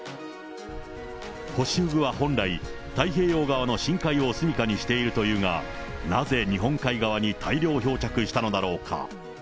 ホシフグは本来、太平洋側の深海を住みかにしているというが、なぜ日本海側に大量漂着したのだろうか。